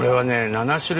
７種類！